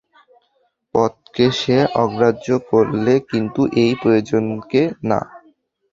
পদকে সে অগ্রাহ্য করলে, কিন্তু এই প্রয়োজনকে না।